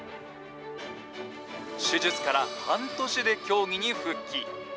手術から半年で競技に復帰。